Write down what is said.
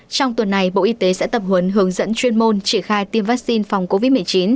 trong tuần này bộ y tế sẽ tập huấn hướng dẫn chuyên môn triển khai tiêm vaccine phòng covid một mươi chín